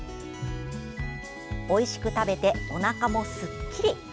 おいしく食べておなかもすっきり。